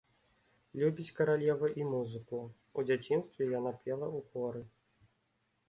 Любіць каралева і музыку, у дзяцінстве яна пела ў хоры.